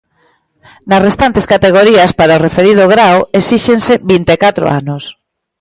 Nas restantes categorías, para o referido grao, exíxense vinte e catro anos.